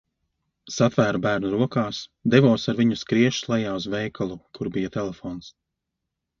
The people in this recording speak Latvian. Satvēru bērnu rokās, devos ar viņu skriešus lejā uz veikalu, kur bija telefons.